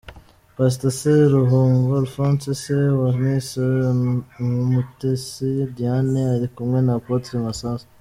Pastor Seruhungo Alphonse Se wa Miss Umumutesi Diane, ari kumwe na Apotre Masasu.